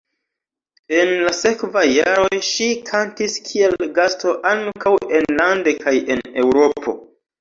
En la sekvaj jaroj ŝi kantis kiel gasto ankaŭ enlande kaj en Eŭropo.